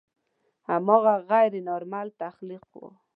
هماغه غیر نارمل تخلیق و.